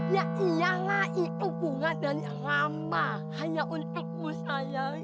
ya iyalah itu bunga dan ramah hanya untukmu sayang